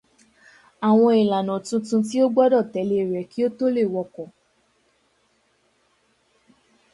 Àwọn ìlànà tuntun ti o gbọdọ tẹlèé rèé ki ó to le wọkọ̀.